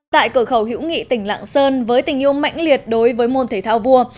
tại cửa khẩu hữu nghị tỉnh lạng sơn với tình yêu mạnh liệt đối với môn thể thao vua